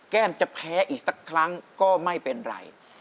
แก้มจะแพ้อีกสักครั้งก็ไม่เป็นไร